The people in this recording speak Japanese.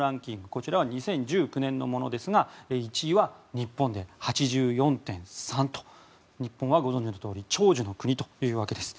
こちらは２０１９年のものですが１位は日本で８４．３と日本はご存じのとおり長寿の国というわけです。